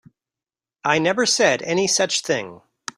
I never said any such thing.